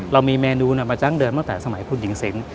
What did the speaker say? เรามีเมนูมาดั้งเดิมตั้งแต่สมัยคุณหญิงสิง